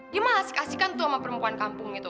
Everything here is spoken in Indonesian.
dia malah asik asikan tuh sama perempuan kampung itu